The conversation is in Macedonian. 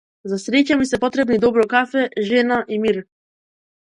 За среќа ми се потребни добро кафе, жена и мир.